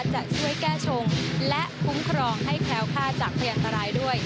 จะช่วยแก้ชงและคุ้มครองให้แคล้วค่าจากพยันตรายด้วย